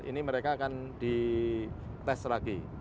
ini mereka akan di tes lagi